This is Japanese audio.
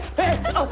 あっ！